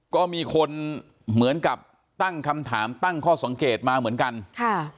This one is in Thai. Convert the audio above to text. ก็มีคนเหมือนกับตั้งคำถามตั้งข้อสังเกตมาเหมือนกันค่ะ